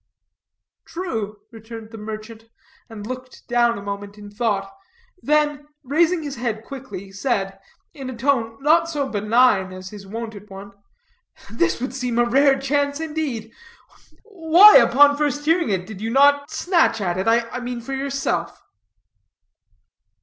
"True," returned the merchant, and looked down a moment in thought, then, raising his head quickly, said, in a tone not so benign as his wonted one, "This would seem a rare chance, indeed; why, upon first hearing it, did you not snatch at it? I mean for yourself!"